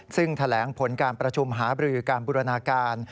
ซึ่งแถลงผลการประชุมหาบรือการบูรณาการ